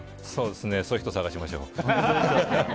そういう人、探しましょう。